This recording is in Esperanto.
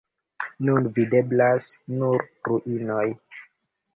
Nun videblas nur ruinoj.